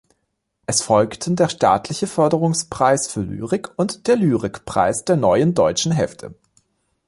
Es folgten der Staatliche Förderungspreis für Lyrik und der Lyrik-Preis der "Neuen deutschen Hefte".